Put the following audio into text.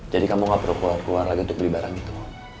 jadi kamu gak perlu keluar keluar lagi untuk beli barang itu